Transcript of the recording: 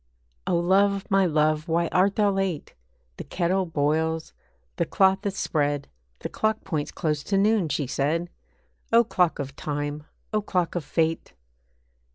'O love, my love, why art thou late? The kettle boils, the cloth is spread, The clock points close to noon,' she said. O clock of time! O clock of fate!